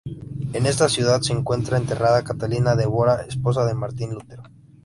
En esta ciudad se encuentra enterrada Catalina de Bora, esposa de Martín Lutero.